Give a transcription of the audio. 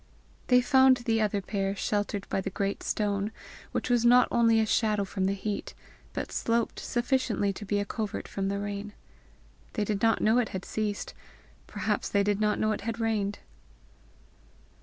They found the other pair sheltered by the great stone, which was not only a shadow from the heat, but sloped sufficiently to be a covert from the rain. They did not know it had ceased; perhaps they did not know it had rained.